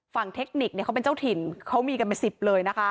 ฝั่งเทคนิคเขาเป็นเจ้าถิ่นเขามีกันเป็นสิบเลยนะคะ